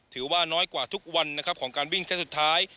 ถือว่าน้อยกว่าทุกวันนะครับของการวิ่งเซตสุดท้าย